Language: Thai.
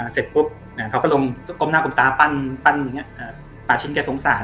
เสร็จปุ๊บเขาก็ลงกลมหน้ากลมตาปั้นปากชิ้นแกสงสาร